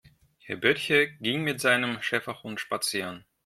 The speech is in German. Herr Böttcher ging mit seinem Schäferhund spazieren.